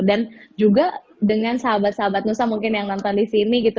dan juga dengan sahabat sahabat nusa mungkin yang nonton disini gitu